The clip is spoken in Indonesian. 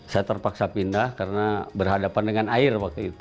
saya terpaksa pindah karena berhadapan dengan air